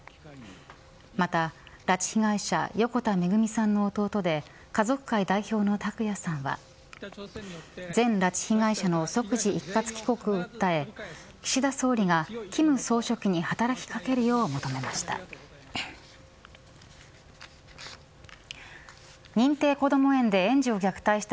また、拉致被害者横田めぐみさんの弟で家族会代表の拓也さんは全拉致被害者の即時一括帰国を訴え岸田総理が金総書記に働きかけるよう求めました。